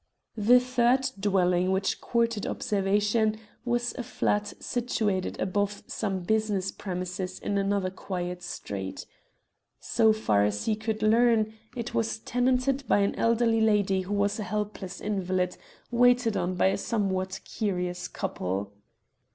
The third dwelling which courted observation was a flat situated above some business premises in another quiet street. So far as he could learn, it was tenanted by an elderly lady who was a helpless invalid, waited on by a somewhat curious couple.